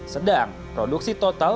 sedang produksi total